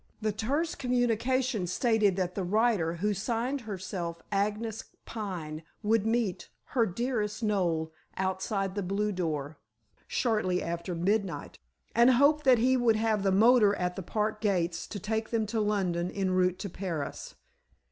The terse communication stated that the writer, who signed herself "Agnes Pine," would meet "her dearest Noel" outside the blue door, shortly after midnight, and hoped that he would have the motor at the park gates to take them to London en route to Paris.